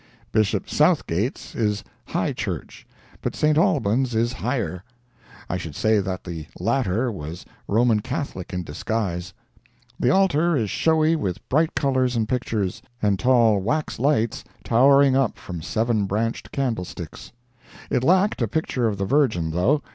Bishop Southgate's is "high church," but St. Alban's is higher. I should say that the latter was Roman Catholic in disguise. The altar is showy with bright colors and pictures, and tall wax lights towering up from seven branched candle sticks. It lacked a picture of the Virgin, though.